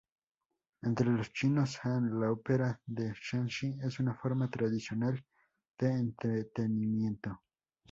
Entre los chinos Han, la ópera de Shanxi es una forma tradicional de entretenimiento.